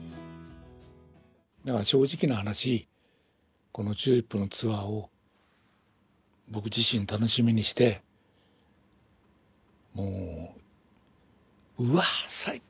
正直な話このＴＵＬＩＰのツアーを僕自身楽しみにしてもう「うわ最高！